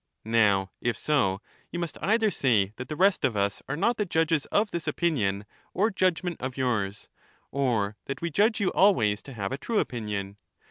Now, if so, you must either say that the rest of us are not the judges of this opinion or judgment of yours, or that we judge you always to have a true opinion